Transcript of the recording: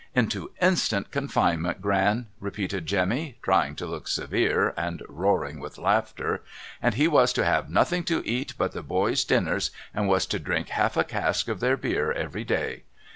' Into instant confinement. Gran,' repeated Jemmy, trying to look severe and roaring with laughter ;' and he was to have nothing to eat but the boys' dinners, and was to drink half a cask of their beer every day.